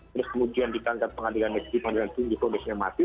terus kemudian ditangkap pengadilan negeri pengadilan tinggi kondisinya mati